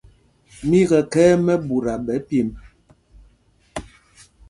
Mí í kɛ khɛ̄ɛ̄ mɛɓuta ɓɛ̌ pyemb.